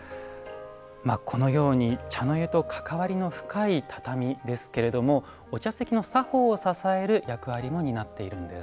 このように茶の湯と関わりの深い畳ですけれどもお茶席の作法を支える役割も担っているんです。